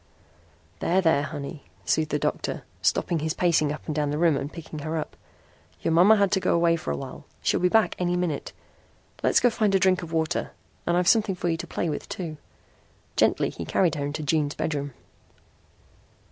"There, there, honey," soothed the doctor, stopping his pacing up and down the room and picking her up. "Your mama had to go away for awhile. She'll be back any minute. Let's go find a drink of water. And I've something for you to play with too." Gently he carried her into June's bedroom.